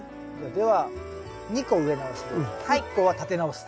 では２個植え直しで１個は立て直す。